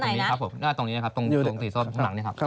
เข้าไปด้านไหนนะตรงนี้นะครับตรงตรงสีส้นข้างหลังนะครับ